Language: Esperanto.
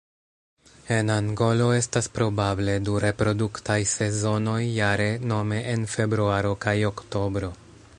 En Angolo estas probable du reproduktaj sezonoj jare nome en februaro kaj oktobro.